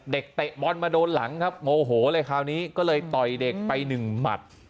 เตะบอลมาโดนหลังครับโมโหเลยคราวนี้ก็เลยต่อยเด็กไปหนึ่งหมัด